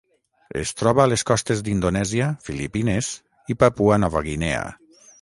Es troba a les costes d'Indonèsia, Filipines i Papua Nova Guinea.